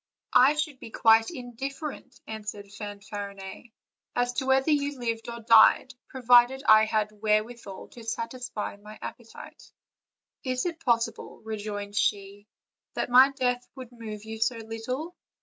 "I should be quite indifferent," answered Fanfariuet, "as to whether you lived or died, provided I had where withal to satisfy my appetite." "Is it possible," rejoined she, "that my death would move you so little?